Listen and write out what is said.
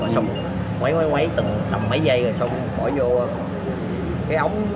xong quấy quấy quấy từng đồng mấy giây rồi xong bỏ vô cái ống